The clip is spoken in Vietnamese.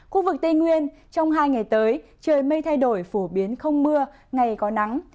khu vực tây nguyên trong hai ngày tới trời mây thay đổi phổ biến không mưa ngày có nắng